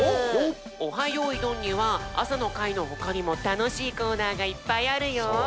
よいどん」にはあさのかいのほかにもたのしいコーナーがいっぱいあるよ！